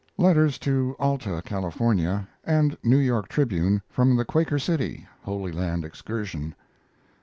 Letters to Alta California and New York Tribune from the Quaker City Holy Land excursion.